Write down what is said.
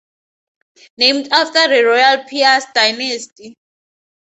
Named after the royal Piast dynasty.